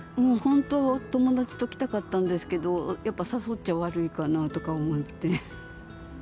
本当は友達と来たかったんですけど、やっぱ誘っちゃ悪いかなと思って。